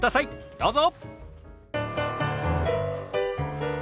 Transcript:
どうぞ！